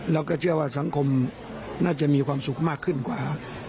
เราก็เชื่อว่าสังคมน่าจะมีความสุขมากขึ้นกว่า